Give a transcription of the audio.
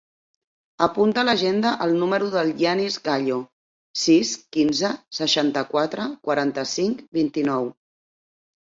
Apunta a l'agenda el número del Yanis Gallo: sis, quinze, seixanta-quatre, quaranta-cinc, vint-i-nou.